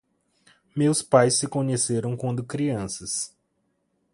Meus pais se conheceram quando crianças.